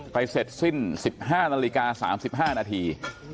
เสร็จสิ้น๑๕นาฬิกา๓๕นาที